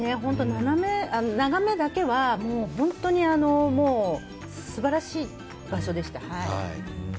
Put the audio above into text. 眺めだけは本当に素晴らしい場所でした。